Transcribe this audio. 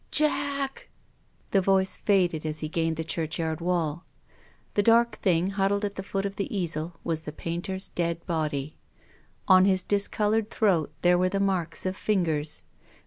" Jack !" The voice faded as he gained the churchyard wall. The dark thing huddled at the foot of the easel was the painter's dead body. On his discoloured throat there were the marks of fingers.